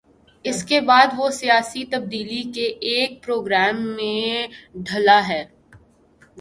اس کے بعد وہ سیاسی تبدیلی کے ایک پروگرام میں ڈھلا ہے۔